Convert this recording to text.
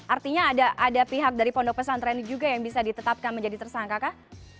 artinya ada pihak dari pondok pesantren juga yang bisa ditetapkan menjadi tersangka kah